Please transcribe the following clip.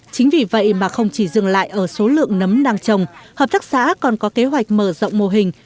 chính vì vậy mà không chỉ dừng lại ở số lượng nấm đang trồng hợp tác xã còn có kế hoạch mở rộng mô hình